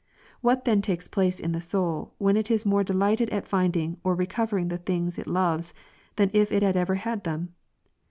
7. What then' takes place in the soul, when it is more delighted at finding or recovering the things it loves, than if it had ever had them?